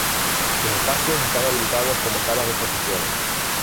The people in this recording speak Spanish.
Sus espacios están habilitados como salas de exposiciones.